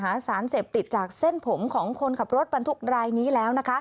หาสารเสพติดจากเส้นผมของคนขับรถบันทุกข์รายนี้แล้ว